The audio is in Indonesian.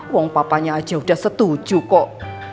wong papanya aja udah setuju kok